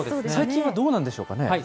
最近はどうなんでしょうかね。